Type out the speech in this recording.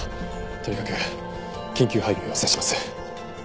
とにかく緊急配備を要請します。